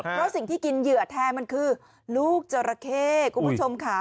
เพราะสิ่งที่กินเหยื่อแทนมันคือลูกจราเข้คุณผู้ชมค่ะ